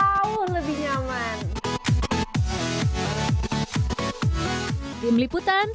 sekarang kamarku sudah didekor oleh cetak foto kekinian